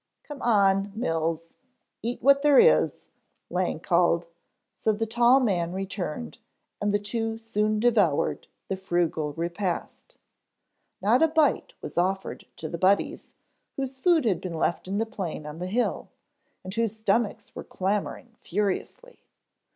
"Come on, Mills, eat what there is," Lang called, so the tall man returned, and the two soon devoured the frugal repast. Not a bite was offered to the Buddies whose food had been left in the plane on the hill, and whose stomachs were clamoring furiously.